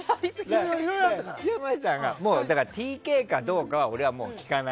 ＴＫかどうかは俺は聞かない。